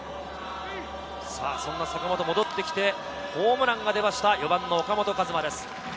坂本が戻ってきてホームランが出ました、４番の岡本和真です。